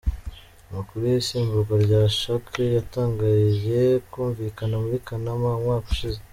Amakuru y’isimburwa rya Shekau yatangiye kumvikana muri Kanama umwaka ushize.